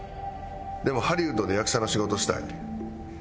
でもハリウッドで役者の仕事したい。